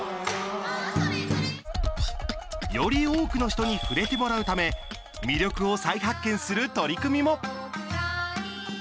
より多くの人に触れてもらうため魅力を再発見する取り組みも。